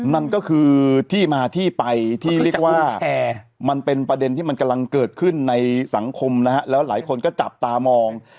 นั่นก็คือที่มาที่ไปที่เรียกว่ามันเป็นประเด็นที่มันกำลังเกิดขึ้นในสังคมนะฮะแล้วหลายคนก็จับตามอง